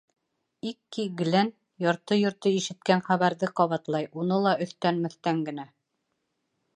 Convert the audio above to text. Икки гелән ярты-йорто ишеткән хәбәрҙе ҡабатлай, уны ла өҫтән-мөҫтән генә.